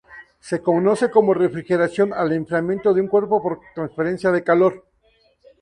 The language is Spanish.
Se conoce como refrigeración al enfriamiento de un cuerpo por transferencia de calor.